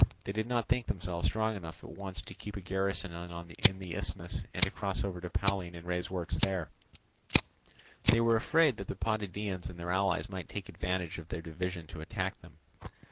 They did not think themselves strong enough at once to keep a garrison in the isthmus and to cross over to Pallene and raise works there; they were afraid that the Potidæans and their allies might take advantage of their division to attack them.